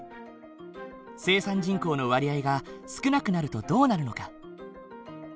生産人口の割合が少なくなるとどうなるのか？